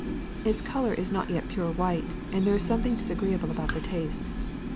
Its color is not yet pure white, and there is something disagreeable about the taste.